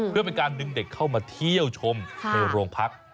เพื่อเป็นการดึงเด็กเข้ามาเที่ยวชมในโรงพัก